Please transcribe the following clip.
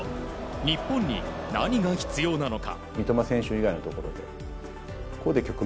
日本に何が必要なのか。